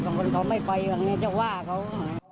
คนเขาไม่ไปอย่างนี้จะว่าเขา